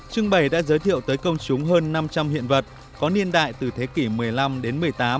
trưng bày đã giới thiệu tới công chúng hơn năm trăm linh hiện vật có niên đại từ thế kỷ một mươi năm đến một mươi tám